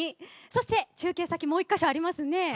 そして中継先もう１カ所ありますね。